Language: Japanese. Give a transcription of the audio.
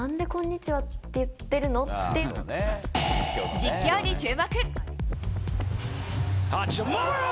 実況に注目。